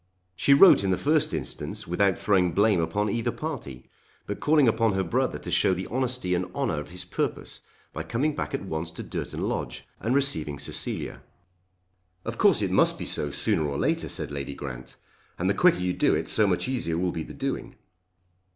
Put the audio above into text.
She wrote in the first instance without throwing blame upon either party, but calling upon her brother to show the honesty and honour of his purpose by coming back at once to Durton Lodge, and receiving Cecilia. "Of course it must be so sooner or later," said Lady Grant, "and the quicker you do it so much easier will be the doing."